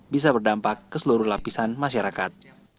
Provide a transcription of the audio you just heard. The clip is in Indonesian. bisa berdampak ke seluruh lapisan masyarakat